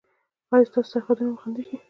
ایا ستاسو سرحدونه به خوندي شي؟